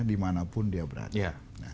dimanapun dia berada